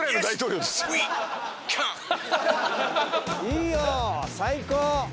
いいよ最高。